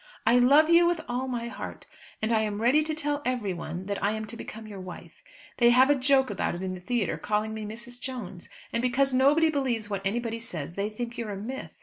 "I love you with all my heart, and am ready to tell everyone that I am to become your wife. They have a joke about it in the theatre calling me Mrs. Jones; and because nobody believes what anybody says they think you're a myth.